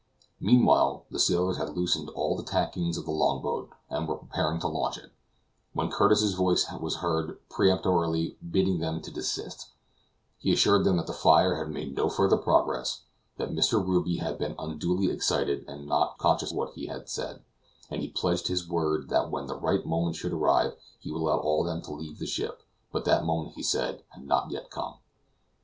Meanwhile the sailors had loosened all the tacklings of the long boat, and were preparing to launch it, when Curtis's voice was heard peremptorily bidding them to desist; he assured them that the fire had made no further progress; that Mr. Ruby had been unduly excited and not conscious of what he had said; and he pledged his word that when the right moment should arrive he would allow them all to leave the ship; but that moment, he said, had not yet come.